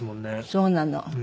そうなの。